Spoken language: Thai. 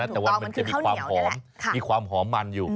แต่วันมันจะมีความหอมมันอยู่